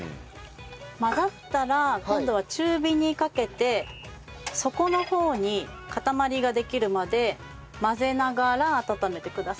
混ざったら今度は中火にかけて底の方に塊ができるまで混ぜながら温めてください。